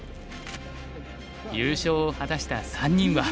優勝を果たした３人は。